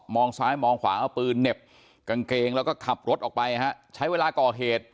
ซ้ายมองขวาเอาปืนเหน็บกางเกงแล้วก็ขับรถออกไปฮะใช้เวลาก่อเหตุ